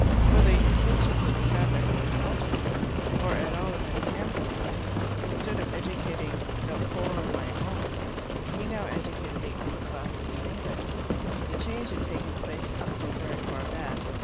For the intentions of the founder had been altered, or at all events amplified, instead of educating the "poore of my home," he now educated the upper classes of England. The change had taken place not so very far back.